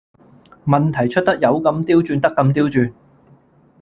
問題出得有咁刁鑽得咁刁鑽